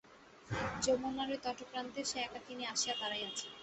যমুনার ঐ তটপ্রান্তে সে একাকিনী আসিয়া দাঁড়াইয়াছে।